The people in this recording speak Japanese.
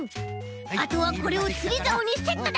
あとはこれをつりざおにセットだ！